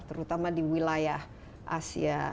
terutama di wilayah asia